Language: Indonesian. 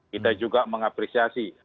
kita juga mengapresiasi